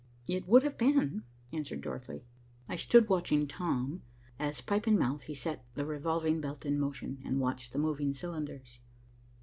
"It would have been," answered Dorothy. I stood watching Tom, as, pipe in mouth, he set the revolving belt in motion and watched the moving cylinders.